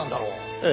ええ。